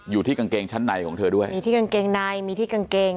อยู่ที่กางเกงชั้นในของเธอด้วยมีที่กางเกงในมีที่กางเกง